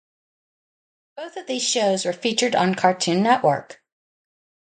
Both of these shows were featured on Cartoon Network.